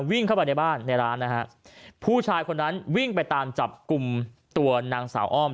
วิ่งเข้าไปในบ้านในร้านนะฮะผู้ชายคนนั้นวิ่งไปตามจับกลุ่มตัวนางสาวอ้อม